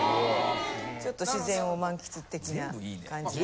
ちょっと自然を満喫的な感じで。